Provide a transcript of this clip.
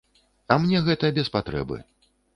А мне гэта без патрэбы.